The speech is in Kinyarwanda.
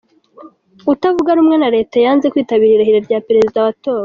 Utavuga rumwe na leta yanze kwitabira irahira rya Perezida watowe